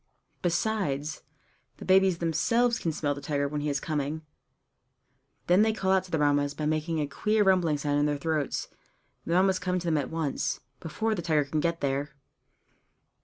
Besides, the babies themselves can smell the tiger when he is coming; then they call out to their Mammas by making a queer rumbling sound in their throats, and the Mammas come to them at once, before the tiger can get there.